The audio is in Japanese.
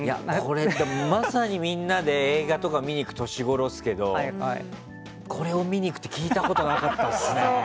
まさに夏休み、映画とか見に行く年頃ですけどこれを見に行くって聞いたことなかったですね。